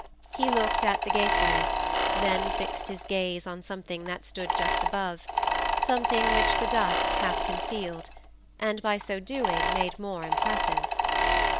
He looked at the gateway, then fixed his gaze on something that stood just above—something which the dusk half concealed, and by so doing made more impressive.